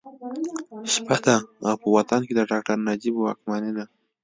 شپه ده او په وطن کې د ډاکټر نجیب واکمني ده